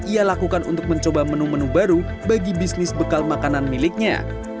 ia lakukan untuk mencoba menu menu baru bagi bisnis bekal makanan miliknya